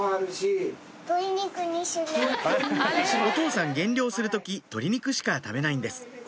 お父さん減量する時鶏肉しか食べないんです